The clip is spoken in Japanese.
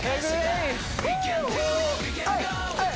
はいはい！